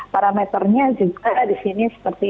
parameternya juga di sini seperti